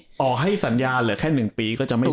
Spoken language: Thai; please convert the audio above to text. ต่อให้สัญญาเหลือแค่๑ปีก็จะไม่มี